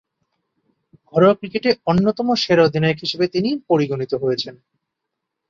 ঘরোয়া ক্রিকেটে অন্যতম সেরা অধিনায়ক হিসেবে তিনি পরিগণিত হয়েছেন।